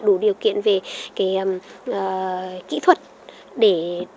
đủ điều kiện về cái kỹ thuật để